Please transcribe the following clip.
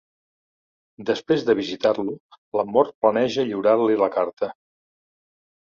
Després de visitar-lo, la mort planeja lliurar-li la carta.